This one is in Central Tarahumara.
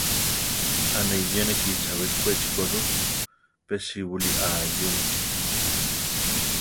‘A ne iyéniki chabé Kwéchi ko rʼu; pe síbuli aa iyéniki.